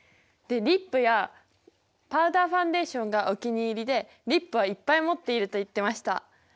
でリップやパウダーファンデーションがお気に入りでリップはいっぱい持っていると言ってました。